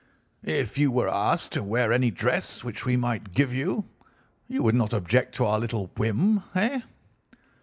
If you were asked to wear any dress which we might give you, you would not object to our little whim. Heh?